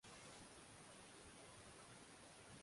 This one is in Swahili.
Wa elfu moja mia tisa tisini na moja